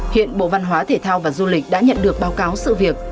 hiện bộ văn hóa thể thao và du lịch đã nhận được báo cáo sự việc